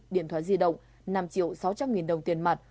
điện thoại di động năm triệu sáu trăm linh nghìn đồng tiền mặt